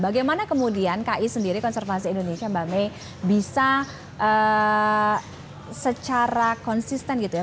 bagaimana kemudian ki sendiri konservasi indonesia mbak may bisa secara konsisten gitu ya